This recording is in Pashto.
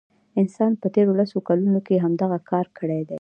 انسان په تیرو لسو کلونو کې همدغه کار کړی دی.